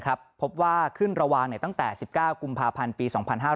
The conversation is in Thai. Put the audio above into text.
พบว่าขึ้นระวังตั้งแต่๑๙กุมภาพันธ์ปี๒๕๕๙